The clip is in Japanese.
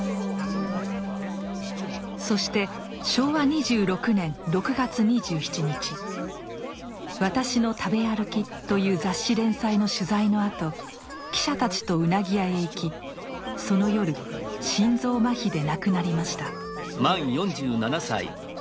そして昭和２６年６月２７日「私の食べあるき」という雑誌連載の取材のあと記者たちとうなぎ屋へ行きその夜心臓麻痺で亡くなりました。